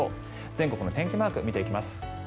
全国の天気マークを見ていきます。